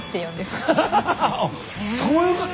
あっそういうこと？